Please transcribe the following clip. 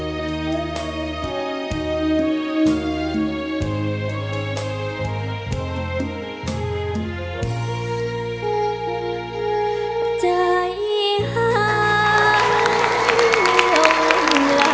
ข้าเผงรองเวียง